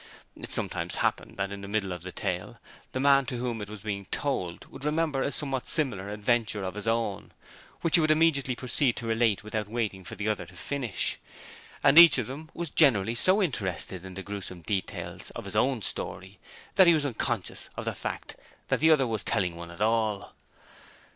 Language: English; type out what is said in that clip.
It sometimes happened that in the middle of the tale the man to whom it was being told would remember a somewhat similar adventure of his own, which he would immediately proceed to relate without waiting for the other to finish, and each of them was generally so interested in the gruesome details of his own story that he was unconscious of the fact that the other was telling one at all.